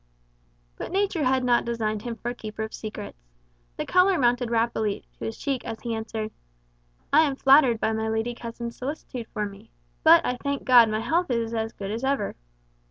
But nature had not designed him for a keeper of secrets. The colour mounted rapidly to his cheek, as he answered, "I am flattered by my lady cousin's solicitude for me. But, I thank God, my health is as good as ever.